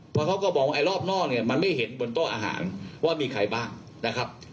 เพราะเขาก็บอกว่าไอ้รอบนอกเนี่ยมันไม่เห็นบนโต๊ะอาหารว่ามีใครบ้างนะครับ